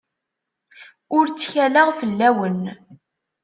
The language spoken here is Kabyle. Ur ttkaleɣ fell-awen.